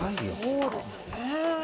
そうですね。